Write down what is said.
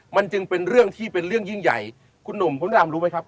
มันจึงเป็นเรื่องที่เป็นเรื่องยิ่งใหญ่คุณหนุ่มคุณพระดำรู้ไหมครับ